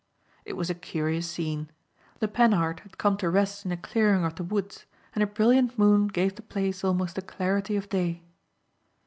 It was a curious scene. The Panhard had come to rest in a clearing of the woods and a brilliant moon gave the place almost the clarity of day.